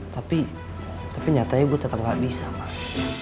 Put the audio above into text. tapi tapi nyatanya gue tetep gak bisa mas